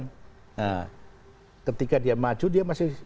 nah ketika dia maju dia masih